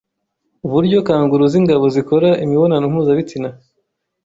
uburyo kangourou z’ingabo zikora imibonano mpuzabitsina